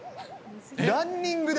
ランニングで？